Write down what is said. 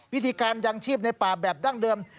วิธีการยังชีพในป่าแบบดั้งเดิม